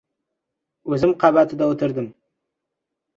O‘zim qabatida o‘tirdim.